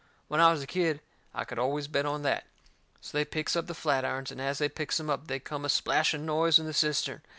When I was a kid I could always bet on that. So they picks up the flatirons, and as they picks em up they come a splashing noise in the cistern.